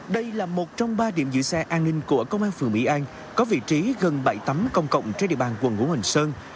đây là một trong ba điểm giữ xe an ninh của công an phường mỹ an có vị trí gần bảy tắm công cộng trên địa bàn quần ngũ hình sơn